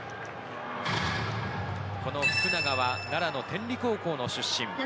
この福永は奈良の天理高校の出身。